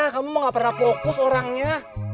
kamu nggak pernah fokus orangnya